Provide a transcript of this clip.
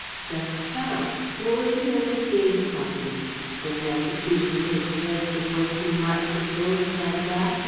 "Just so. There were too many stage properties. When an execution takes place, does one see marks of bullets like that?